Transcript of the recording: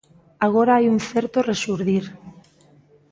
Agora hai un certo rexurdir.